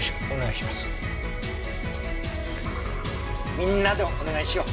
みんなでお願いしよう。